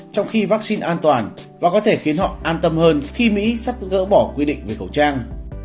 trong khi vaccine an toàn và có thể khiến họ an tâm hơn khi mỹ sắp gỡ bỏ quy định về khẩu trang